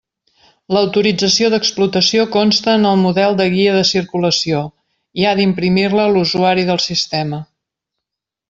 L'autorització d'explotació consta en el model de guia de circulació, i ha d'imprimir-la l'usuari del sistema.